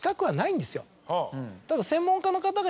ただ。